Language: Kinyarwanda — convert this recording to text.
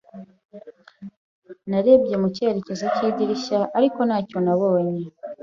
Narebye mu cyerekezo cy'idirishya, ariko ntacyo nabonye.